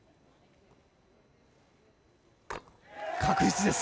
確実です。